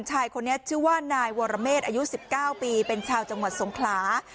ชายคนนี้ชื่อว่านายวรเมษอายุ๑๙ปีเป็นชาวจังหวัดสงขลา